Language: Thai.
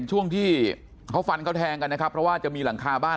ช่วงที่เขาฟันเขาแทงกันนะครับเพราะว่าจะมีหลังคาบ้าน